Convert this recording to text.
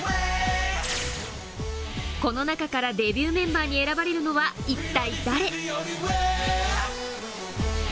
この中からデビューメンバーに選ばれるのは一体誰？